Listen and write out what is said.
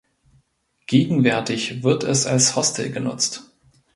Gegenwärtig wird es als Hostel genutzt.